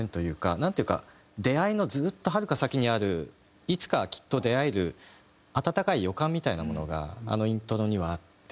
なんというか出会いのずっとはるか先にあるいつかきっと出会える温かい予感みたいなものがあのイントロにはあって。